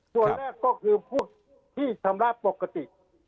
ส่วนแรกก็คือพวกที่ทำร้าปกติ